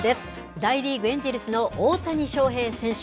大リーグエンジェルスの大谷翔平選手。